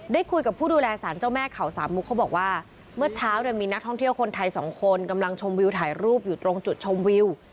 ได้คุยกับผู้ดูแลสารเจ้าแม่เขาสามมุกเขาบอกว่าเมื่อเช้าเนี่ยมีนักท่องเที่ยวคนไทยสองคนกำลังชมวิวถ่ายรูปอยู่ตรงจุดชมวิว